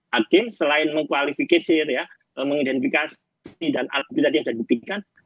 hakim selain mengkualifikasi dan alat bukti tadi yang sudah dibuktikan